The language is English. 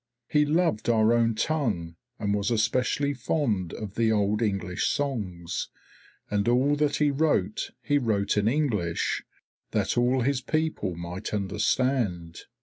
He loved our own tongue, and was especially fond of the Old English songs, and all that he wrote he wrote in English that all his people might understand.